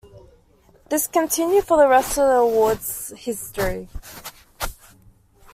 This continued for the rest of the award's history.